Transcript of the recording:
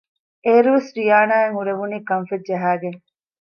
އޭރުވެސް ރިޔާނާ އަށް ހުރެވުނީ ކަންފަތް ޖަހައިގެން